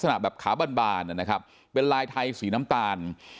ขาแบบลักษณะขาบันบานนะครับเป็นลายไทยสีน้ำตาล